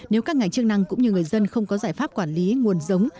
nếu các ngành chức năng cũng như người dân không có giải pháp quản lý nguồn giống